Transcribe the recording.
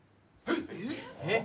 えっ！？